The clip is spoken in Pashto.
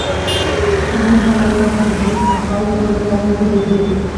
شتمن هغه دی چې د زړه سخا لري، نه یوازې د جیب.